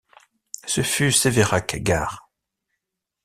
Ce fut Sévérac-Gare.